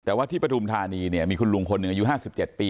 แต่ว่าที่ประธุมธานีเนี่ยมีคุณลุงคนหนึ่งอายุห้าสิบเจ็ดปี